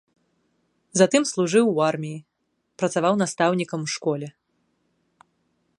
Затым служыў у арміі, працаваў настаўнікам у школе.